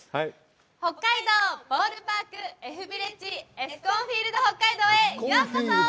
北海道ボールパークＦビレッジエスコンフィールドＨＯＫＫＡＩＤＯへようこそ！